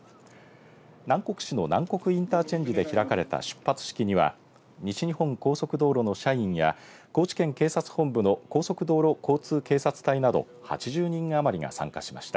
南国市の南国インターチェンジで開かれた出発式には西日本高速道路の社員や高知県警察本部の高速道路交通警察隊など８０人余りが参加しました。